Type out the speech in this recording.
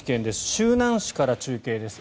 周南市から中継です。